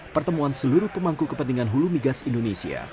pertemuan seluruh pemangku kepentingan hulu migas indonesia